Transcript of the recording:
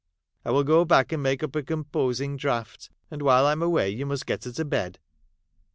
' I will go back and make up a composing draught ; and while I am away you must get her to bed.'